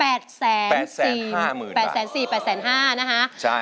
แปดแสนสี่แปดแสนห้าหมื่นแปดแสนสี่แปดแสนห้านะฮะใช่ใช่